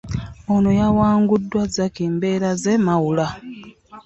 Ono yawanguddwa Zacchy Mberaze Mawula